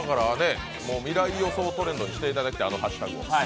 未来予想トレンドにしていただきたい、あのハッシュタグを。